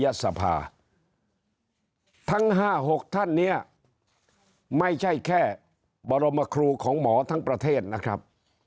บริเวณเช้าประเภทสภาทั้ง๕๖ท่านเนี่ยไม่ใช่แค่บรมคลุของหมอทั้งประเทศนะครับ